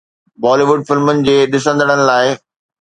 بالي wood فلمن جي ڏسندڙن لاء